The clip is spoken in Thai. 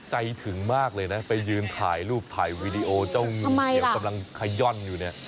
ถึงมากเลยนะไปยืนถ่ายรูปถ่ายวีดีโอเจ้ากำลังขย่อนอยู่เนี่ย